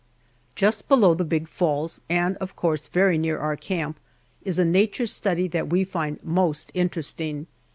Just below the big falls, and of course very near our camp, is a nature study that we find most interesting.